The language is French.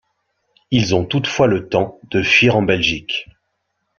Ils ont toutefois le temps de fuir en Belgique.